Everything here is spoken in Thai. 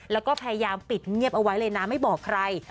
แล้วก็พยายามปิดเงียบเอาไว้เลยนะไม่บอกใคร